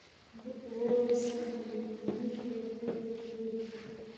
د اوبو رسونې شبکې زړې دي؟